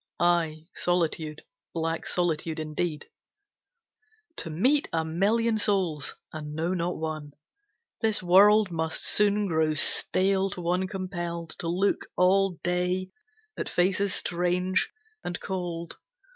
Aye, solitude, black solitude indeed, To meet a million souls and know not one; This world must soon grow stale to one compelled To look all day at faces strange and cold.